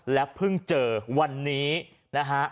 และเพิ่งเจอวันนี้นะฮะ